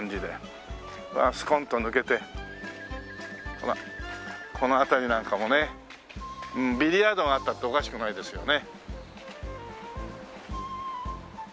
ほらこの辺りなんかもねビリヤードがあったっておかしくないですよね。